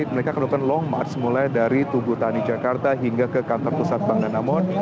mereka melakukan long march mulai dari tugu tani jakarta hingga ke kantor pusat bank danamon